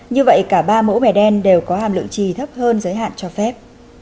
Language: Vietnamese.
như vậy cả ba mẫu vẻ đen đều có hàm lượng trì thấp hơn giới hạn cho phép